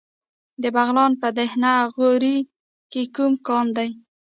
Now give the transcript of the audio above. د بغلان په دهنه غوري کې کوم کان دی؟